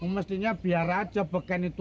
mestinya biar aja beken itu